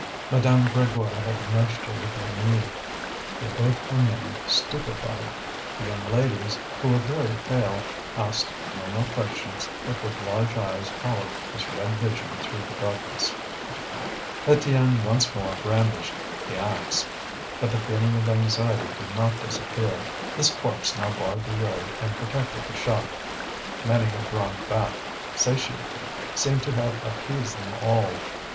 Madame Grégoire had nudged her with her knee. They both remained stupefied. The young ladies, who were very pale, asked no more questions, but with large eyes followed this red vision through the darkness. Étienne once more brandished the axe. But the feeling of anxiety did not disappear; this corpse now barred the road and protected the shop. Many had drawn back. Satiety seemed to have appeased them all.